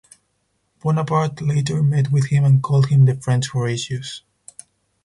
Bonaparte later met with him and called him "the French Horatius".